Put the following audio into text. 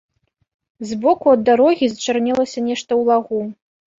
З боку ад дарогі зачарнелася нешта ў лагу.